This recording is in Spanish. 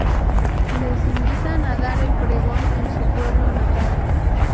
Les invitan a dar el pregón en su pueblo natal.